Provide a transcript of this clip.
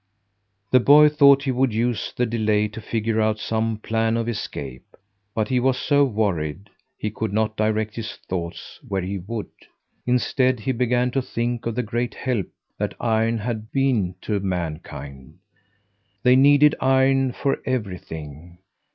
The boy thought he would use the delay to figure out some plan of escape, but he was so worried he could not direct his thoughts where he would; instead he began to think of the great help that iron had been to mankind. They needed iron for everything.